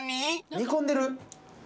煮込んでる？